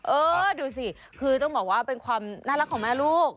เออดูสิคือต้องบอกว่าเป็นความน่ารักของแม่ลูก